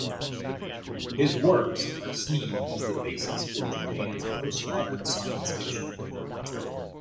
His works are seen as the basis for Japan's postmodern science fiction.